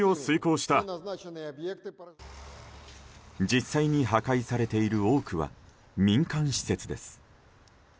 実際に破壊されている多くは民間施設です。